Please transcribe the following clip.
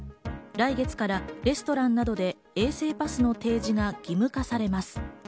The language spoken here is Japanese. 来月からレストランなどで衛生パスの提示が義務化されます。